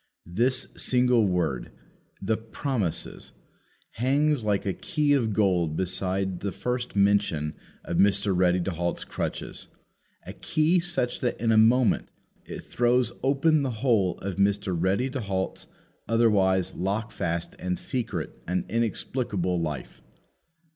This single word, the "promises," hangs like a key of gold beside the first mention of Mr. Ready to halt's crutches a key such that in a moment it throws open the whole of Mr. Ready to halt's otherwise lockfast and secret and inexplicable life.